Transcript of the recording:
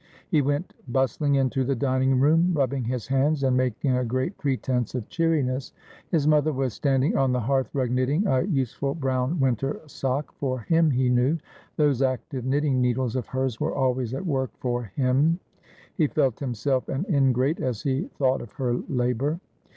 He went bustling into the dining room, rubbing his hands, and making a great pretence of cheeriness. His mother was stand ing on the hearth rug knitting a useful brown winter sock — for him, he knew. Those active knitting needles of hers were always at work for him„ He felt himself an ingrate, as he thought of her labour.